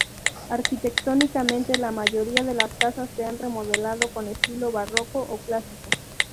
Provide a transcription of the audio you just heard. Arquitectónicamente, la mayoría de las casas se han remodelado con estilo barroco o clásico.